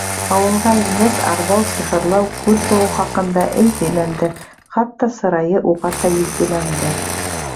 Ауылға ингәс, арбау, сихырлау, күҙ быуыу хаҡында, эй, һөйләнде, хатта сырайы уғата етдиләнде.